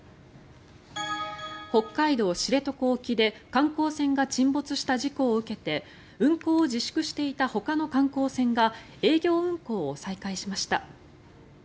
北海道・知床沖で観光船が沈没した事故を受けて運航を自粛していたほかの観光船が営業運航を再開しました。